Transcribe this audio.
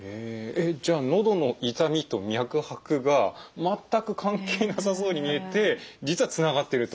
えっじゃあのどの痛みと脈拍が全く関係なさそうに見えて実はつながっていると。